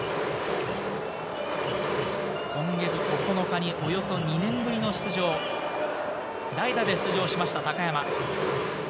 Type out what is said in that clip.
今月９日におよそ２年ぶりの出場、代打で出場しました高山。